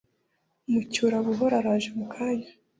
mucyurabuhoro araje mukanya